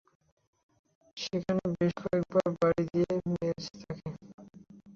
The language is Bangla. সেখানে বেশ কয়েকবার বাড়ি দিয়ে মেরেছে তাকে।